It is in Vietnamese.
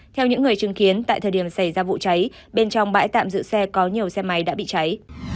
theo những người chứng kiến tại thời điểm xảy ra vụ cháy bên trong bãi tạm giữ xe có nhiều xe máy đã bị cháy